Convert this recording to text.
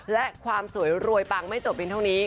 และความสวยรวยปังไม่จบเพียงเท่านี้